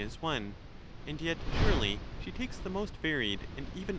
577 is one ; and yet surely she takes the most varied and even PhiUbus.